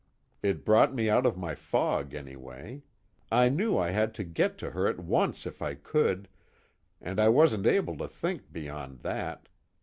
It brought me out of my fog anyway. I knew I had to get to her at once if I could, and I wasn't able to think beyond that.